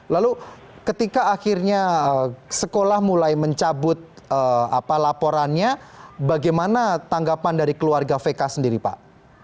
lalu ketika akhirnya sekolah mulai mencabut laporannya bagaimana tanggapan dari keluarga vk sendiri pak